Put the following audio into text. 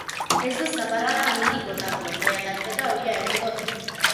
Ez du zaparrada handirik botako, baina tarteka euria egingo du.